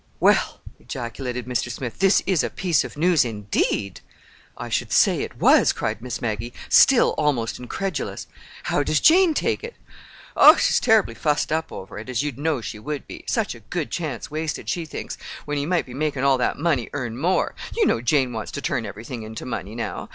"Well," ejaculated Mr. Smith, "this is a piece of news, indeed!" "I should say it was," cried Miss Maggie, still almost incredulous. "How does Jane take it?" "Oh, she's turribly fussed up over it, as you'd know she would be. Such a good chance wasted, she thinks, when he might be making all that money earn more. You know Jane wants to turn everything into money now.